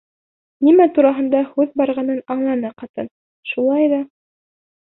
Нимә тураһында һүҙ барғанын аңланы ҡатын, шулай ҙа: